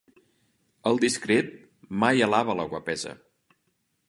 El discret mai alaba la guapesa.